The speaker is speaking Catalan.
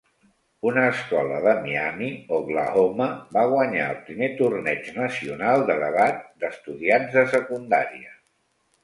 Una escola de Miami, Oklahoma, va guanyar el primer torneig nacional de debat d'estudiants de secundària.